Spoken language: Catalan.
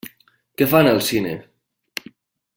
Què fan al cine?